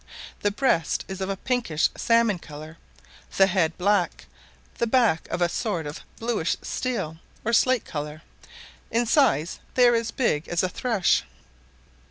The breast is of a pinkish, salmon colour; the head black; the back of a sort of bluish steel, or slate colour; in size they are as big as a thrush.